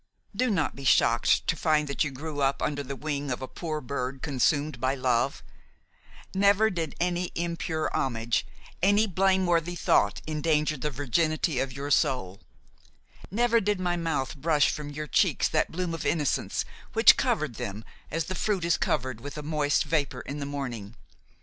"Do not be shocked to find that you grew up under the wing of a poor bird consumed by love; never did any impure homage, any blameworthy thought endanger the virginity of your soul; never did my mouth brush from your cheeks that bloom of innocence which covered them as the fruit is covered with a moist vapor in the morning.